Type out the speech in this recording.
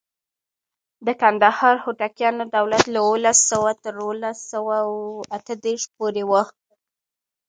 د کندهار هوتکیانو دولت له اوولس سوه تر اوولس سوه اته دیرش پورې و.